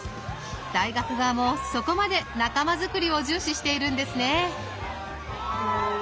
大学側もそこまで仲間づくりを重視しているんですね。